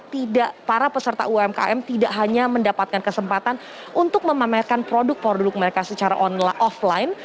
tidak para peserta umkm tidak hanya mendapatkan kesempatan untuk memamerkan produk produk mereka secara offline